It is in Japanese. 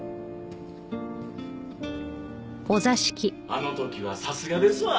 あの時はさすがですわ！